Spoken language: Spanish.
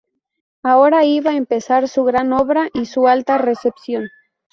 Ahora iba a empezar su gran obra y su alta recepción.